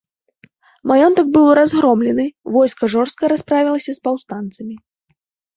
Маёнтак быў разгромлены, войска жорстка расправілася з паўстанцамі.